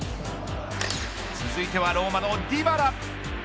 続いてはローマのディバラ。